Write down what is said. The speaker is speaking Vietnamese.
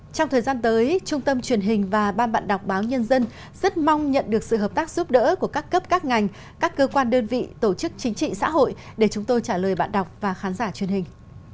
trong thời gian tới trung tâm truyền hình và ban bạn đọc báo nhân dân rất mong nhận được sự hợp tác giúp đỡ của các cấp các ngành các cơ quan đơn vị tổ chức chính trị xã hội để chúng tôi trả lời bạn đọc và khán giả truyền hình